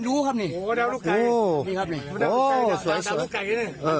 รู้ครับนี่โหดาวลูกไก่โหนี่ครับนี่โหสวยสวยดาวลูกไก่นี่นี่เออ